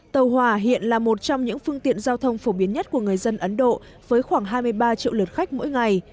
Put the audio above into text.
tàu hòa hiện là một trong những phương tiện giao thông phổ biến nhất của người dân ấn độ với khoảng hai mươi ba triệu lượt khách mỗi ngày